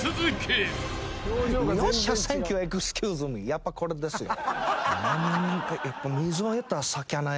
やっぱこれですよ。